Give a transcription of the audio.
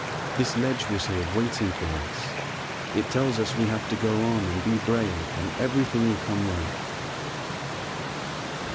This ledge was here waiting for us. It tells us we have to go on and be brave and everything will come right."